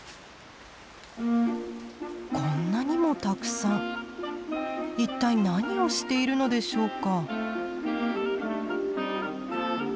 こんなにもたくさん一体何をしているのでしょうか？